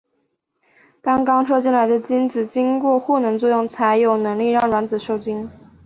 当刚射进来的精子经过获能作用才有能力让卵子授精。